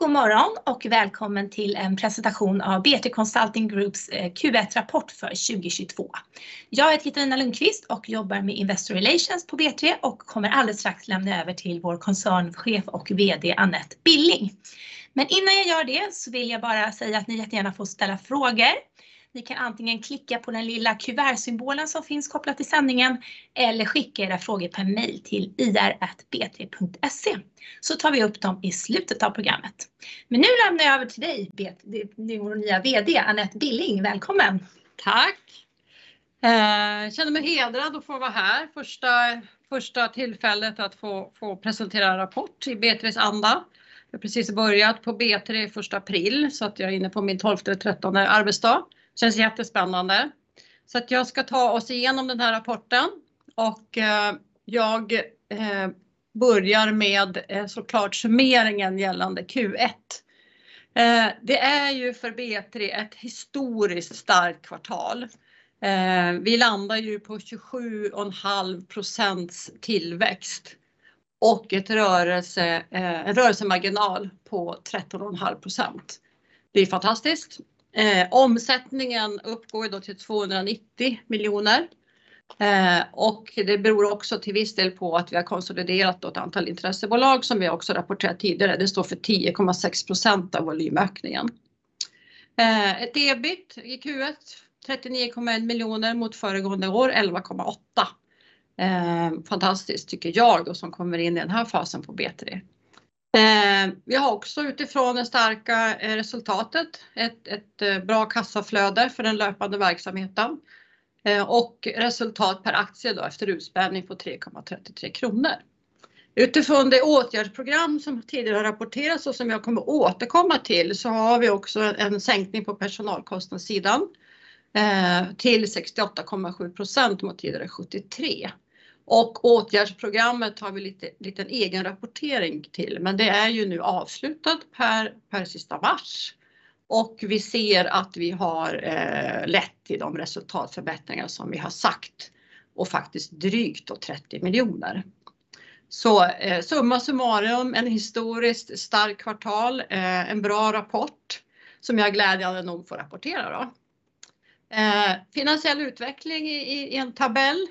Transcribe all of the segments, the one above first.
God morgon och välkommen till en presentation av B3 Consulting Group's Q1-rapport för 2022. Jag heter Katarina Lundqvist och jobbar med Investor Relations på B3 och kommer alldeles strax lämna över till vår koncernchef och vd Anette Billing. Innan jag gör det så vill jag bara säga att ni jättegärna får ställa frågor. Ni kan antingen klicka på den lilla kuvertsymbolen som finns kopplat till sändningen eller skicka era frågor per mejl till ir@b3.se. Så tar vi upp dem i slutet av programmet. Nu lämnar jag över till dig, vår nya vd Anette Billing. Välkommen. Tack. Känner mig hedrad att få vara här. Första tillfället att få presentera en rapport i B3:s anda. Jag har precis börjat på B3 första april så att jag är inne på min 12:e eller 13:e arbetsdag. Känns jättespännande. Jag ska ta oss igenom den här rapporten och jag börjar med såklart summeringen gällande Q1. Det är ju för B3 ett historiskt starkt kvartal. Vi landar ju på 27.5% tillväxt och en rörelsemarginal på 13.5%. Det är fantastiskt. Omsättningen uppgår då till 290 miljoner. Det beror också till viss del på att vi har konsoliderat ett antal intressebolag som vi också rapporterat tidigare. Det står för 10.6% av volymökningen. Ett EBIT i Q1, 39.1 miljoner mot föregående år 11.8. Fantastiskt tycker jag då som kommer in i den här fasen på B3. Vi har också utifrån det starka resultatet ett bra kassaflöde för den löpande verksamheten och resultat per aktie då efter utspädning på 3.33 kronor. Utifrån det åtgärdsprogram som tidigare har rapporterats och som jag kommer återkomma till, har vi också en sänkning på personalkostnadssidan till 68.7% mot tidigare 73%. Åtgärdsprogrammet har vi lite egen rapportering till, men det är ju nu avslutat per sista mars. Vi ser att vi har lett till de resultatförbättringar som vi har sagt och faktiskt drygt 30 miljoner SEK. Summa summarum, ett historiskt starkt kvartal, en bra rapport som jag glädjande nog får rapportera då. Finansiell utveckling i en tabell.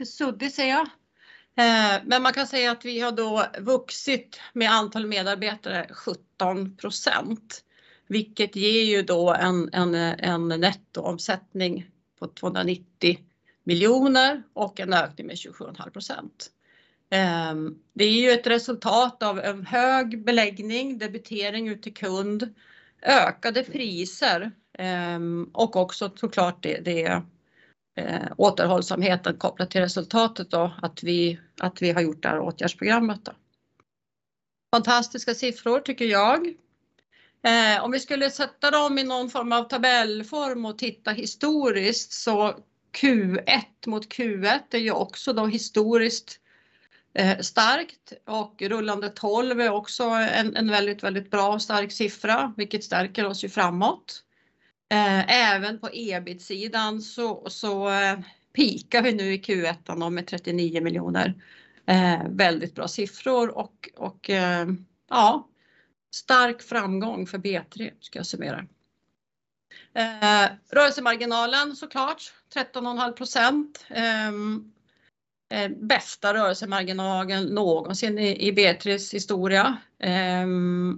Lite suddig ser jag. Man kan säga att vi har vuxit med antal medarbetare 17%, vilket ger ju en nettoomsättning på 290 miljoner och en ökning med 27.5%. Det är ju ett resultat av en hög beläggning, debitering ut till kund, ökade priser och också så klart återhållsamheten kopplat till resultatet att vi har gjort det här åtgärdsprogrammet. Fantastiska siffror tycker jag. Om vi skulle sätta dem i någon form av tabellform och titta historiskt, så Q1 mot Q1 är ju också historiskt starkt och rullande tolv är också en väldigt bra och stark siffra, vilket stärker oss ju framåt. Även på EBIT-sidan peakar vi nu i Q1 med 39 miljoner. Väldigt bra siffror och ja, stark framgång för B3 ska jag summera. Rörelsemarginalen så klart, 13.5%. Bästa rörelsemarginalen någonsin i B3:s historia.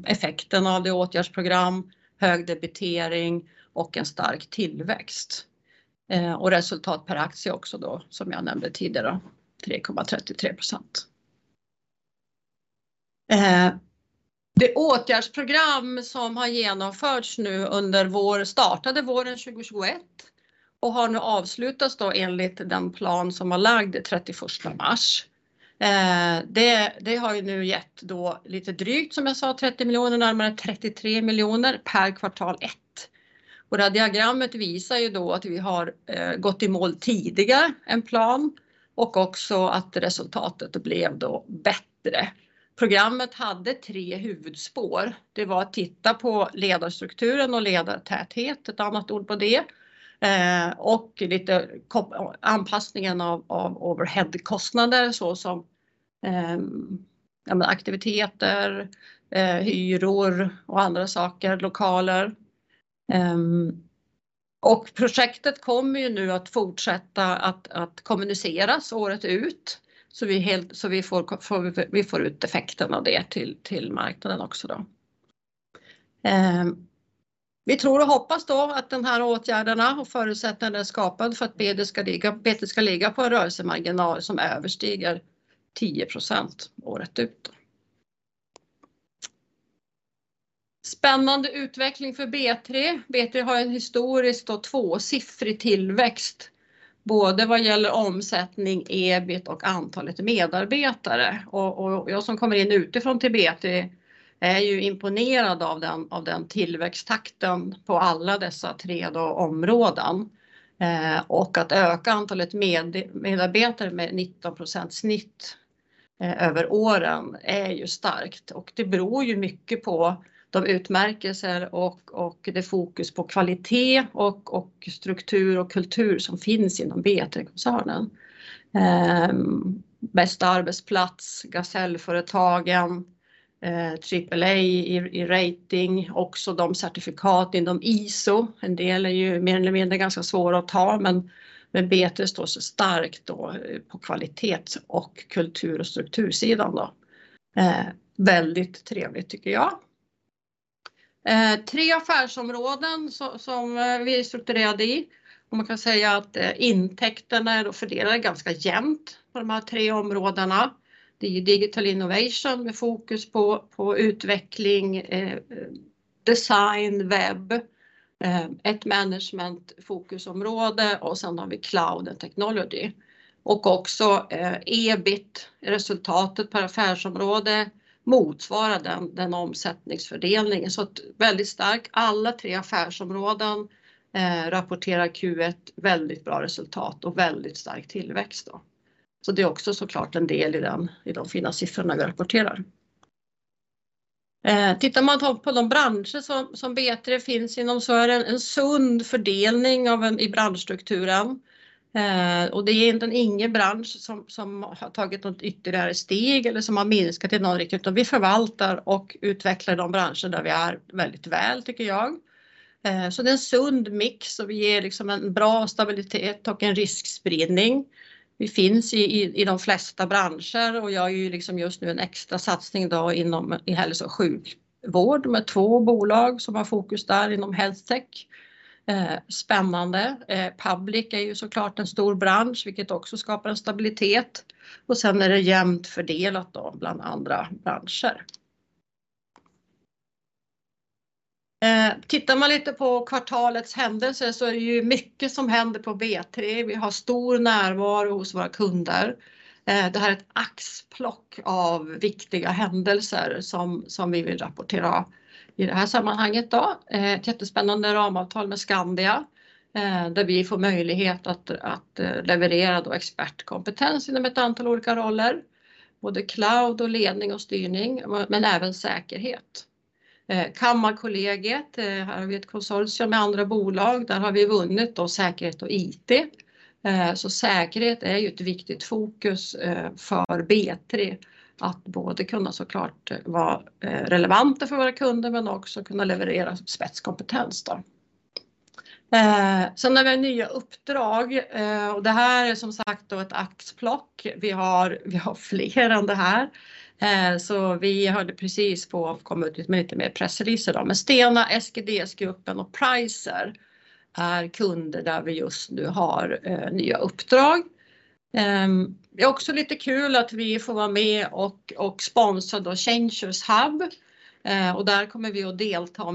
Effekten av det åtgärdsprogram, hög debitering och en stark tillväxt. Resultat per aktie också då som jag nämnde tidigare, 3.33%. Det åtgärdsprogram som har genomförts startade våren 2021 och har nu avslutats enligt den plan som var lagd 31 mars. Det har ju nu gett lite drygt, som jag sa, 30 million, närmare 33 million per kvartal ett. Det här diagrammet visar ju att vi har gått i mål tidigare än plan och också att resultatet blev bättre. Programmet hade tre huvudspår. Det var att titta på ledarstrukturen och ledartäthet, ett annat ord på det. Anpassningen av overheadkostnader så som aktiviteter, hyror och andra saker, lokaler. Projektet kommer ju nu att fortsätta att kommuniceras året ut. Vi får ut effekten av det till marknaden också då. Vi tror och hoppas att de här åtgärderna och förutsättningarna är skapade för att B3 ska ligga på en rörelsemarginal som överstiger 10% året ut. Spännande utveckling för B3. B3 har en historiskt tvåsiffrig tillväxt, både vad gäller omsättning, EBIT och antalet medarbetare. Jag som kommer in utifrån till B3 är ju imponerad av den tillväxttakten på alla dessa tre områden. Att öka antalet medarbetare med 19% snitt över åren är ju starkt och det beror ju mycket på de utmärkelser och det fokus på kvalitet och struktur och kultur som finns inom B3-koncernen. Sveriges Bästa Arbetsplatser, Gasellföretagen, AAA rating. Också certifikat inom ISO. En del är ju mer eller mindre ganska svåra att ta, men B3 står så starkt på kvalitets- och kultur- och struktursidan. Väldigt trevligt tycker jag. Tre affärsområden, som vi är strukturerade i. Man kan säga att intäkterna är fördelade ganska jämnt på de här tre områdena. Det är Digital Experience & Solutions med fokus på utveckling, design, webb, Digital Management och sen har vi Cloud & Technology Platforms. Också EBIT, resultatet per affärsområde, motsvarar omsättningsfördelningen. Väldigt stark. Alla tre affärsområden rapporterar Q1 väldigt bra resultat och väldigt stark tillväxt. Det är också så klart en del i de fina siffrorna vi rapporterar. Tittar man på de branscher som B3 finns inom så är det en sund fördelning i branschstrukturen. Det är inte någon bransch som har tagit något ytterligare steg eller som har minskat i någon riktning. Vi förvaltar och utvecklar de branscher där vi är väldigt väl tycker jag. Så det är en sund mix och vi ger liksom en bra stabilitet och en riskspridning. Vi finns i de flesta branscher och jag har ju liksom just nu en extra satsning då inom hälso- och sjukvård med två bolag som har fokus där inom HealthTech. Spännande. Public är ju så klart en stor bransch, vilket också skapar en stabilitet. Det är jämnt fördelat då bland andra branscher. Tittar man lite på kvartalets händelser så är det ju mycket som händer på B3. Vi har stor närvaro hos våra kunder. Det här är ett axplock av viktiga händelser som vi vill rapportera i det här sammanhanget då. Ett jättespännande ramavtal med Skandia, där vi får möjlighet att leverera då expertkompetens inom ett antal olika roller. Både cloud och ledning och styrning, men även säkerhet. Kammarkollegiet, här har vi ett konsortium med andra bolag. Där har vi vunnit då säkerhet och IT. Så säkerhet är ju ett viktigt fokus för B3 att både kunna så klart vara relevanta för våra kunder men också kunna leverera spetskompetens då. Sen har vi nya uppdrag och det här är som sagt då ett axplock. Vi har fler än det här. Vi kom ut med ett pressmeddelande idag med Stena, SGDS-gruppen och Pricer är kunder där vi just nu har nya uppdrag. Det är också lite kul att vi får vara med och sponsra Changers Hub. Där kommer vi att delta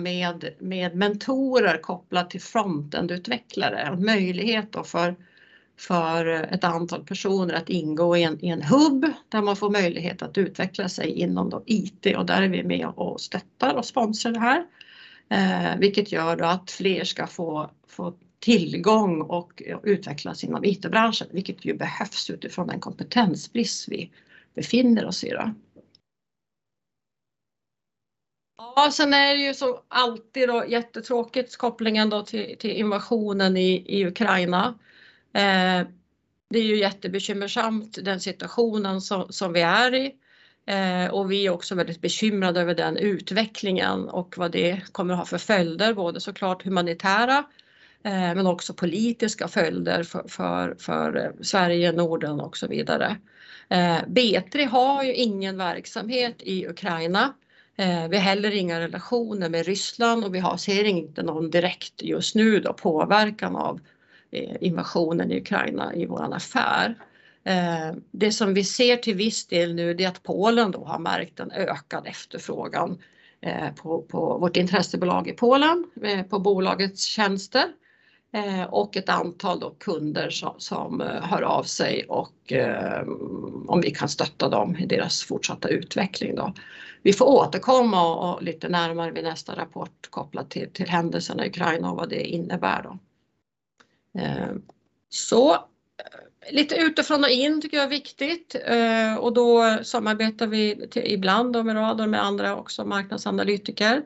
med mentorer kopplat till frontend-utvecklare. En möjlighet för ett antal personer att ingå i en hub där man får möjlighet att utveckla sig inom IT och där är vi med och stöttar och sponsrar det här. Vilket gör att fler ska få tillgång och utvecklas inom IT-branschen, vilket ju behövs utifrån den kompetensbrist vi befinner oss i. Det är ju som alltid jättetråkigt kopplingen till invasionen i Ukraina. Det är ju jättebekymmersamt den situationen som vi är i. Vi är också väldigt bekymrade över den utvecklingen och vad det kommer att ha för följder, både så klart humanitära, men också politiska följder för Sverige, Norden och så vidare. B3 har ju ingen verksamhet i Ukraina. Vi har heller inga relationer med Ryssland och vi har ser inte någon direkt just nu då påverkan av invasionen i Ukraina i vår affär. Det som vi ser till viss del nu, det är att Polen då har märkt en ökad efterfrågan på vårt intressebolag i Polen, på bolagets tjänster, och ett antal då kunder som hör av sig och om vi kan stötta dem i deras fortsatta utveckling då. Vi får återkomma och lite närmare vid nästa rapport kopplat till händelserna i Ukraina och vad det innebär då. Lite utifrån och in tycker jag är viktigt. Då samarbetar vi ibland med Radar, med andra också marknadsanalytiker.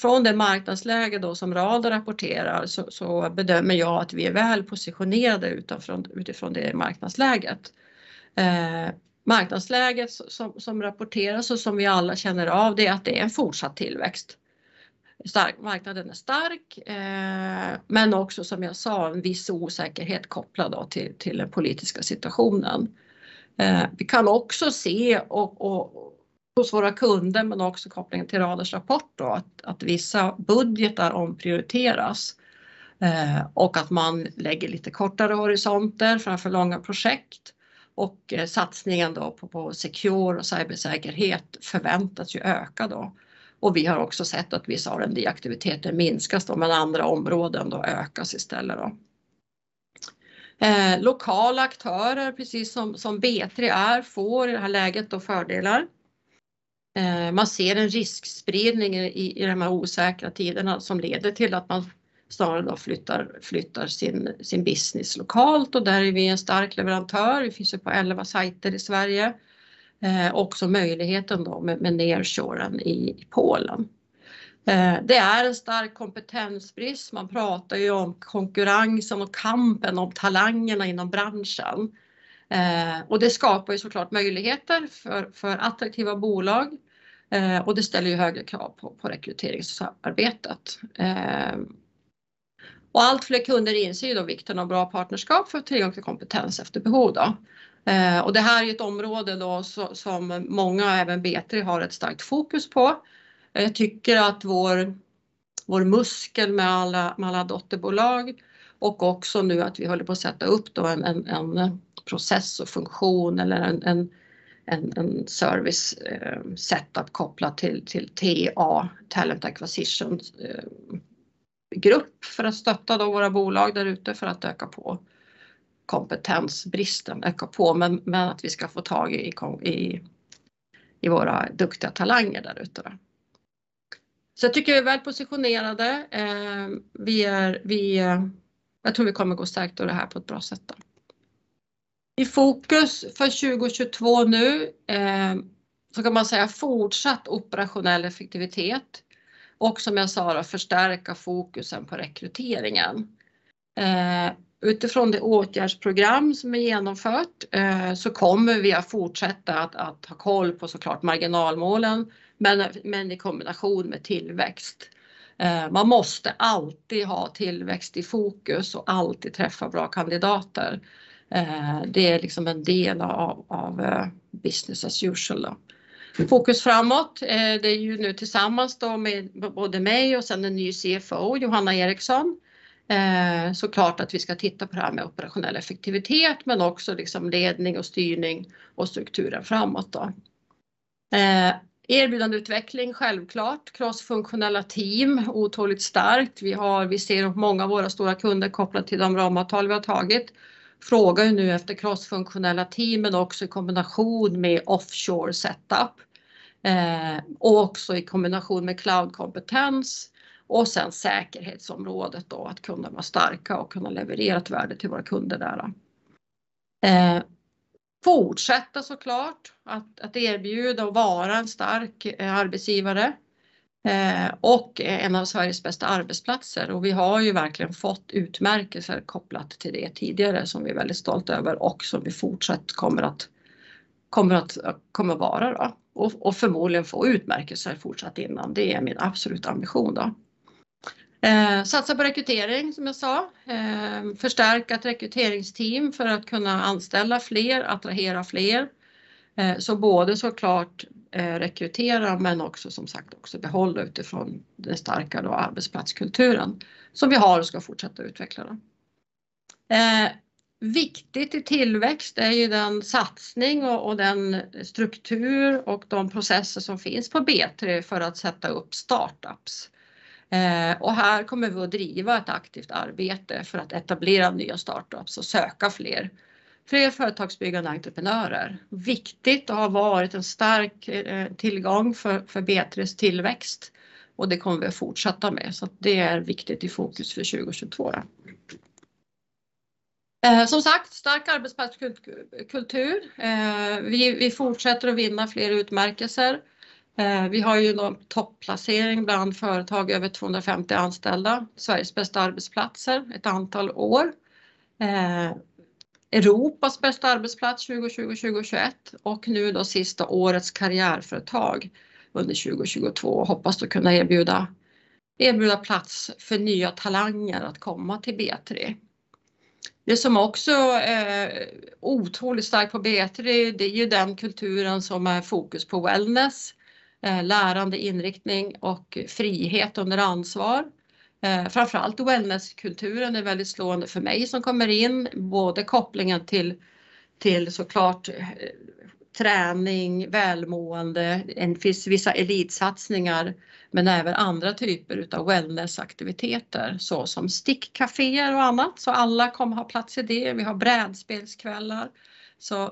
Från det marknadsläge som Radar rapporterar så bedömer jag att vi är väl positionerade utifrån det marknadsläget. Marknadsläget som rapporteras och som vi alla känner av, det är att det är en fortsatt tillväxt. Marknaden är stark, men också som jag sa, en viss osäkerhet kopplad till den politiska situationen. Vi kan också se och hos våra kunder, men också kopplingen till Radars rapport, att vissa budgetar omprioriteras, och att man lägger lite kortare horisonter framför långa projekt. Satsningen på secure och cybersäkerhet förväntas ju öka. Vi har också sett att vissa av de aktiviteter minskas, men andra områden ökas istället. Lokala aktörer, precis som B3 är, får i det här läget då fördelar. Man ser en riskspridning i de här osäkra tiderna som leder till att man snarare då flyttar sin business lokalt och där är vi en stark leverantör. Vi finns ju på elva siter i Sverige. Också möjligheten då med nearshore i Polen. Det är en stark kompetensbrist. Man pratar ju om konkurrens om och kampen om talangerna inom branschen. Och det skapar ju så klart möjligheter för attraktiva bolag. Och det ställer ju högre krav på rekryteringssamarbetet. Och allt fler kunder inser ju då vikten av bra partnerskap för tillgång till kompetens efter behov då. Och det här är ju ett område då som många även B3 har ett starkt fokus på. Jag tycker att vår muskel med alla dotterbolag och också nu att vi håller på att sätta upp en process och funktion eller en service-setup kopplat till TA, Talent Acquisition, grupp för att stötta våra bolag där ute för att öka på kompetensbristen men att vi ska få tag i i våra duktiga talanger där ute då. Jag tycker vi är väl positionerade. Jag tror vi kommer gå starkt ur det här på ett bra sätt då. I fokus för 2022 nu, så kan man säga fortsatt operationell effektivitet. Som jag sa då, förstärka fokusen på rekryteringen. Utifrån det åtgärdsprogram som är genomfört, så kommer vi att fortsätta att ha koll på så klart marginalmålen, men i kombination med tillväxt. Man måste alltid ha tillväxt i fokus och alltid träffa bra kandidater. Det är liksom en del av av business as usual då. Fokus framåt, det är ju nu tillsammans då med både mig och sen en ny CFO, Johanna Eriksson. Så klart att vi ska titta på det här med operationell effektivitet, men också liksom ledning och styrning och strukturen framåt då. Erbjudande utveckling självklart. Cross-funktionella team, otroligt starkt. Vi ser att många av våra stora kunder kopplat till de ramavtal vi har tagit frågar ju nu efter cross-funktionella team, men också i kombination med offshore setup. Och också i kombination med cloud-kompetens och sen säkerhetsområdet då att kunna vara starka och kunna levererat värde till våra kunder där då. Fortsätta så klart att att erbjuda och vara en stark arbetsgivare och en av Sveriges bästa arbetsplatser. Vi har ju verkligen fått utmärkelser kopplat till det tidigare som vi är väldigt stolta över och som vi fortsatt kommer vara. Förmodligen få utmärkelser fortsatt innan. Det är min absolut ambition. Satsa på rekrytering, som jag sa. Förstärka ett rekryteringsteam för att kunna anställa fler, attrahera fler. Så både så klart rekrytera men också som sagt också behålla utifrån den starka arbetsplatskulturen som vi har och ska fortsätta utveckla. Viktigt i tillväxt är ju den satsning och den struktur och de processer som finns på B3 för att sätta upp startups. Här kommer vi att driva ett aktivt arbete för att etablera nya startups och söka fler. Fler företagsbyggande entreprenörer. Viktigt och har varit en stark tillgång för B3:s tillväxt och det kommer vi att fortsätta med. Det är viktigt i fokus för 2022 då. Som sagt, stark arbetsplatskultur. Vi fortsätter att vinna fler utmärkelser. Vi har ju då topplacering bland företag över 250 anställda, Sveriges Bästa Arbetsplatser ett antal år. Europas Bästa Arbetsplatser 2020 och 2021 och nu då sista årets Karriärföretag under 2022. Hoppas då kunna erbjuda plats för nya talanger att komma till B3. Det som också är otroligt starkt på B3, det är ju den kulturen som är fokus på wellness, lärande inriktning och frihet under ansvar. Framför allt wellness-kulturen är väldigt slående för mig som kommer in, både kopplingen till så klart träning, välmående. Det finns vissa elitsatsningar, men även andra typer utav wellness-aktiviteter, så som stickcaféer och annat. Alla kommer ha plats i det. Vi har brädspelskvällar.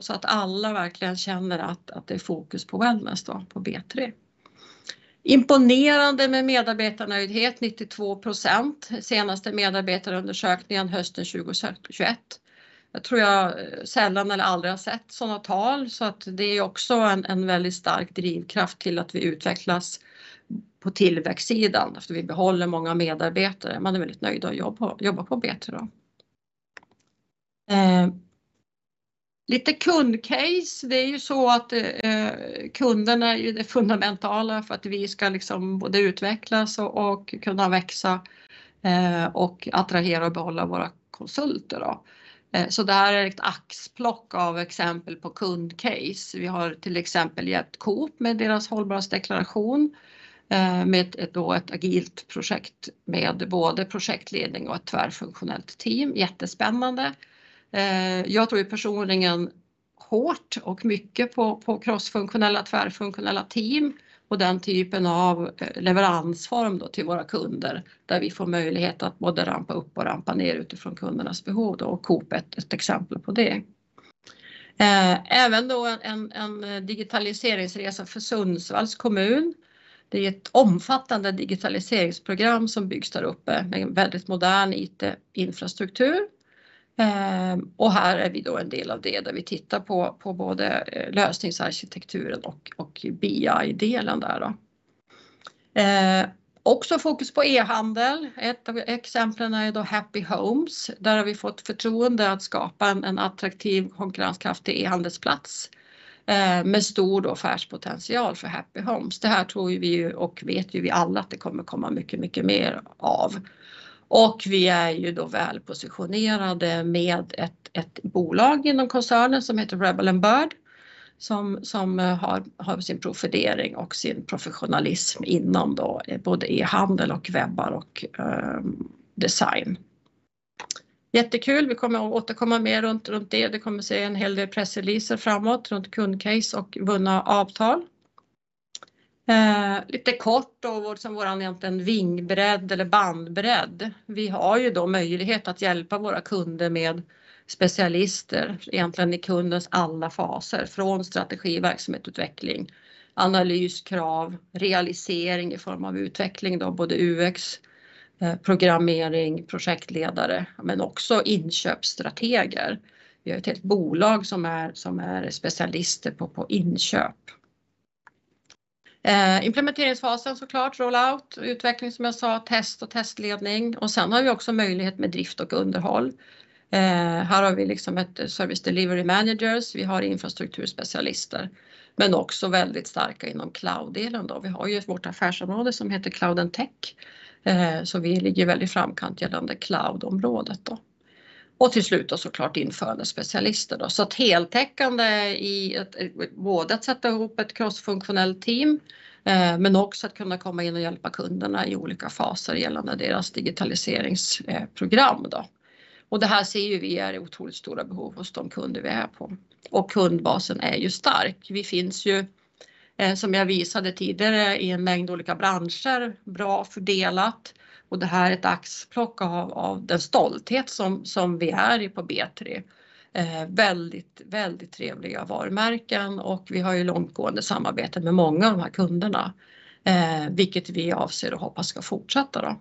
Att alla verkligen känner att det är fokus på wellness då på B3. Imponerande med medarbetarnöjdhet, 92%. Senaste medarbetarundersökningen hösten 2021. Jag tror sällan eller aldrig har sett sådana tal. Att det är också en väldigt stark drivkraft till att vi utvecklas på tillväxtsidan eftersom vi behåller många medarbetare. Man är väldigt nöjd att jobba på B3 då. Lite kund-case. Det är ju så att kunderna är ju det fundamentala för att vi ska liksom både utvecklas och kunna växa och attrahera och behålla våra konsulter då. Det här är ett axplock av exempel på kund-case. Vi har till exempel hjälpt Coop med deras hållbarhetsdeklaration med ett agilt projekt med både projektledning och ett tvärfunktionellt team. Jättespännande. Jag tror ju personligen hårt och mycket på cross-funktionella team och den typen av leveransform till våra kunder, där vi får möjlighet att både rampa upp och rampa ner utifrån kundernas behov och Coop är ett exempel på det. En digitaliseringsresa för Sundsvalls kommun. Det är ett omfattande digitaliseringsprogram som byggs där uppe med en väldigt modern IT-infrastruktur. Här är vi en del av det där vi tittar på både lösningsarkitekturen och BI-delen där. Också fokus på e-handel. Ett av exemplen är Happy Homes. Där har vi fått förtroende att skapa en attraktiv konkurrenskraftig e-handelsplats med stor affärspotential för Happy Homes. Det här tror vi och vet vi alla att det kommer komma mycket mer av. Vi är ju då välpositionerade med ett bolag inom koncernen som heter Rebel and Bird, som har sin profilering och sin professionalism inom då både e-handel och webb och design. Jättekul, vi kommer att återkomma mer runt det. Du kommer se en hel del pressreleaser framåt runt kundcase och vunna avtal. Lite kort då som vår egentligen vingbredd eller bandbredd. Vi har ju då möjlighet att hjälpa våra kunder med specialister, egentligen i kundens alla faser, från strategi, verksamhetsutveckling, analys, krav, realisering i form av utveckling då både UX, programmering, projektledare, men också inköpsstrateger. Vi har ett helt bolag som är specialister på inköp. Implementeringsfasen så klart, rollout, utveckling som jag sa, test och testledning. Sen har vi också möjlighet med drift och underhåll. Här har vi liksom ett service delivery managers. Vi har infrastrukturspecialister, men också väldigt starka inom cloud-delen då. Vi har ju vårt affärsområde som heter Cloud and Tech. Vi ligger väldigt i framkant gällande cloud-området då. Till slut så klart införandespecialister då. Heltäckande i att både sätta ihop ett cross-funktionellt team, men också att kunna komma in och hjälpa kunderna i olika faser gällande deras digitaliseringsprogram då. Det här ser ju vi är i otroligt stora behov hos de kunder vi är på. Kundbasen är ju stark. Vi finns ju, som jag visade tidigare i en mängd olika branscher, bra fördelat. Det här är ett axplock av den stolthet som vi är i på B3. Väldigt trevliga varumärken och vi har ju långtgående samarbeten med många av de här kunderna, vilket vi avser och hoppas ska fortsätta då.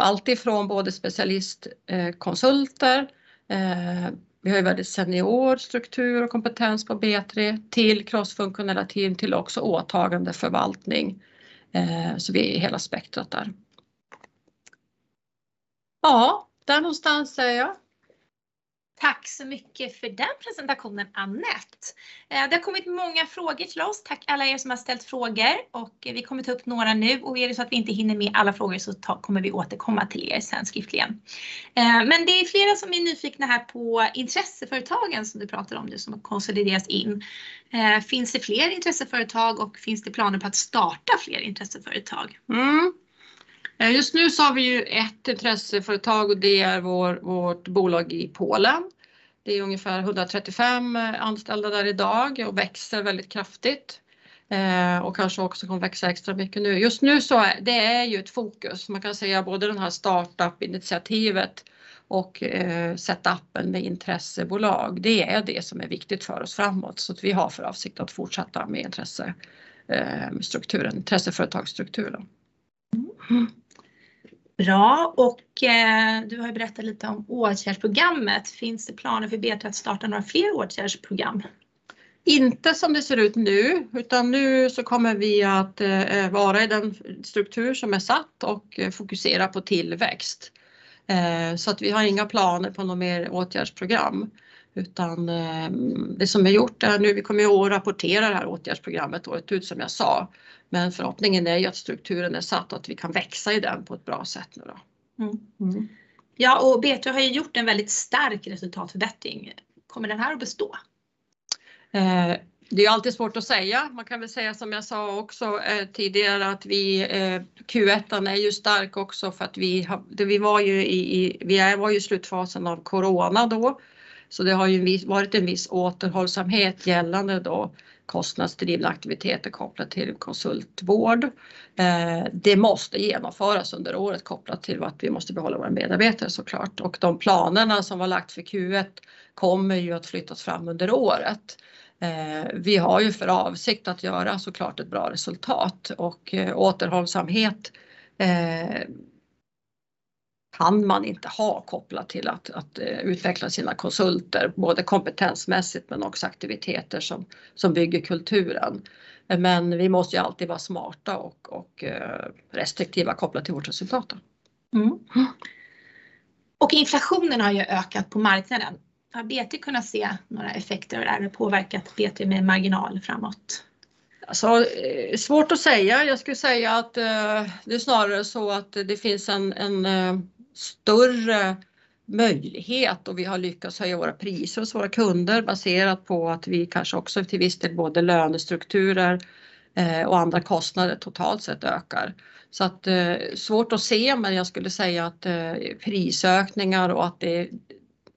Allt ifrån både specialister, konsulter, vi har ju väldigt senior struktur och kompetens på B3 till cross-funktionella team till också åtagandeförvaltning. Vi är i hela spektrat där. Ja, där någonstans är jag. Tack så mycket för den presentationen, Anette. Det har kommit många frågor till oss. Tack alla er som har ställt frågor och vi kommer ta upp några nu och är det så att vi inte hinner med alla frågor så kommer vi återkomma till er sen skriftligen. Men det är flera som är nyfikna här på intresseföretagen som du pratar om nu som har konsoliderats in. Finns det fler intresseföretag och finns det planer på att starta fler intresseföretag? Just nu så har vi ju ett intresseföretag och det är vårt bolag i Polen. Det är ungefär 135 anställda där i dag och växer väldigt kraftigt. Och kanske också kommer växa extra mycket nu. Just nu så det är ju ett fokus. Man kan säga både den här startup-initiativet och set up:en med intressebolag. Det är det som är viktigt för oss framåt. Vi har för avsikt att fortsätta med intresse strukturen, intresseföretagsstrukturen. Bra och du har ju berättat lite om åtgärdsprogrammet. Finns det planer för B3 att starta några fler åtgärdsprogram? Inte som det ser ut nu, utan nu så kommer vi att vara i den struktur som är satt och fokusera på tillväxt. Att vi har inga planer på något mer åtgärdsprogram. Det som är gjort är nu, vi kommer ju att rapportera det här åtgärdsprogrammet året ut som jag sa. Förhoppningen är ju att strukturen är satt och att vi kan växa i den på ett bra sätt nu då. Ja, och B3 har ju gjort en väldigt stark resultatförbättring. Kommer den här att bestå? Det är ju alltid svårt att säga. Man kan väl säga som jag sa också, tidigare att vi Q1:an är ju stark också för att vi var ju i slutfasen av Corona då. Det har ju varit en viss återhållsamhet gällande då kostnadsdrivna aktiviteter kopplat till konsultvård. Det måste genomföras under året kopplat till att vi måste behålla våra medarbetare så klart. De planerna som var lagt för Q1 kommer ju att flyttas fram under året. Vi har ju för avsikt att göra så klart ett bra resultat och återhållsamhet kan man inte ha kopplat till att utveckla sina konsulter, både kompetensmässigt men också aktiviteter som bygger kulturen. Vi måste ju alltid vara smarta och restriktiva kopplat till vårt resultat då. Inflationen har ju ökat på marknaden. Har B3 kunnat se några effekter av det här? Har det påverkat B3 med marginal framåt? Alltså, svårt att säga. Jag skulle säga att det är snarare så att det finns en större möjlighet och vi har lyckats höja våra priser hos våra kunder baserat på att vi kanske också till viss del både lönestrukturer och andra kostnader totalt sett ökar. Så det är svårt att se, men jag skulle säga att prisökningar och att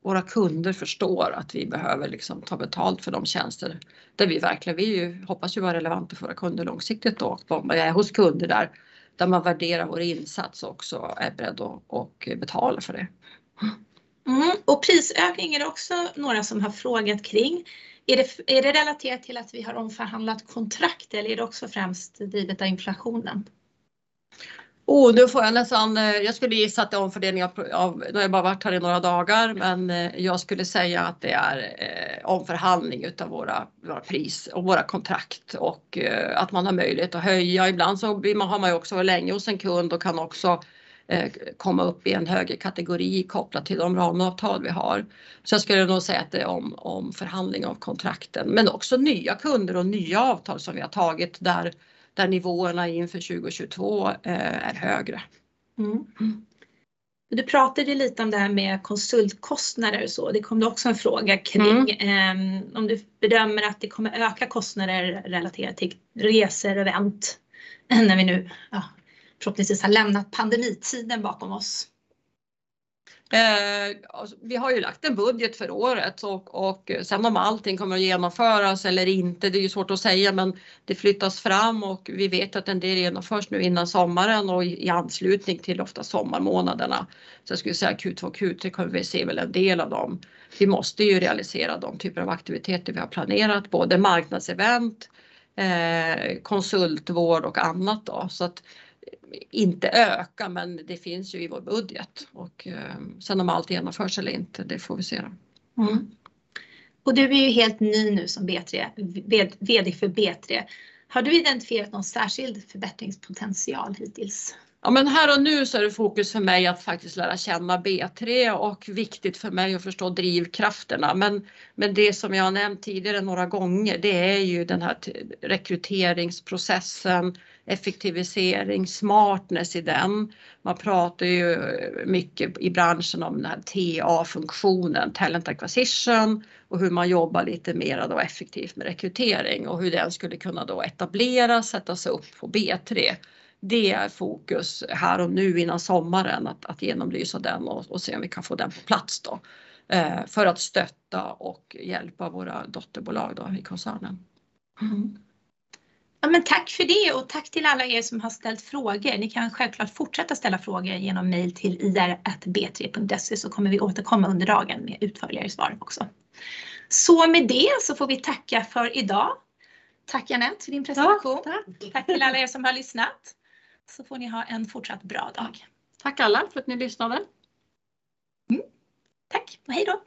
våra kunder förstår att vi behöver liksom ta betalt för de tjänster där vi verkligen vill ju, hoppas ju vara relevant för våra kunder långsiktigt då. Man är hos kunder där man värderar vår insats också är beredd och betalar för det. Prisökning är det också några som har frågat kring. Är det relaterat till att vi har omförhandlat kontrakt eller är det också främst drivet av inflationen? Nu har jag bara varit här i några dagar, men jag skulle säga att det är omförhandling av våra priser och våra kontrakt och att man har möjlighet att höja. Ibland har man ju också länge hos en kund och kan också komma upp i en högre kategori kopplat till de ramavtal vi har. Jag skulle nog säga att det är omförhandling av kontrakten, men också nya kunder och nya avtal som vi har tagit där nivåerna inför 2022 är högre. Du pratade ju lite om det här med konsultkostnader och så. Det kom också en fråga kring om du bedömer att det kommer öka kostnader relaterat till resor, event när vi nu förhoppningsvis har lämnat pandemitiden bakom oss. Vi har ju lagt en budget för året och sen om allting kommer att genomföras eller inte, det är ju svårt att säga, men det flyttas fram och vi vet att en del genomförs nu innan sommaren och i anslutning till ofta sommarmånaderna. Jag skulle säga Q2, Q3 kommer vi se väl en del av dem. Vi måste ju realisera de typer av aktiviteter vi har planerat, både marknadsevent, konsultvård och annat då. Att inte öka, men det finns ju i vår budget. Sen om allt genomförs eller inte, det får vi se då. Du är ju helt ny nu som VD för B3. Har du identifierat någon särskild förbättringspotential hittills? Ja, här och nu så är det fokus för mig att faktiskt lära känna B3 och viktigt för mig att förstå drivkrafterna. Det som jag har nämnt tidigare några gånger, det är ju den här rekryteringsprocessen, effektivisering, smartness i den. Man pratar ju mycket i branschen om den här TA-funktionen, talent acquisition och hur man jobbar lite mer då effektivt med rekrytering och hur den skulle kunna då etableras, sättas upp på B3. Det är fokus här och nu innan sommaren att genomlysa den och se om vi kan få den på plats då för att stötta och hjälpa våra dotterbolag då i koncernen. Ja, men tack för det och tack till alla er som har ställt frågor. Ni kan självklart fortsätta ställa frågor igenom mail till ir@b3.se så kommer vi återkomma under dagen med utförligare svar också. Så med det så får vi tacka för i dag. Tack Anette för din presentation. Ja, tack. Tack till alla er som har lyssnat. Så får ni ha en fortsatt bra dag. Tack alla för att ni lyssnade. Tack och hejdå.